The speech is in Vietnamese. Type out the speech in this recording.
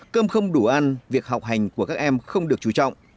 cơm không đủ ăn việc học hành của các em không được chú trọng